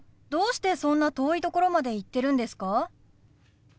どうしてそんな遠い所まで行ってるんですか？